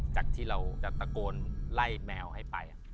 จากที่เราจะตะโกนไล่แมวให้ไป